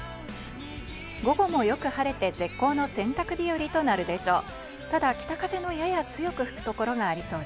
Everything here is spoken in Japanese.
午後もよく晴れて絶好の洗濯日和となるでしょう。